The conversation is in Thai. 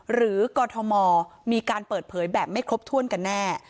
กรทมมีการเปิดเผยแบบไม่ครบถ้วนกันแน่